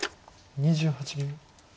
２８秒。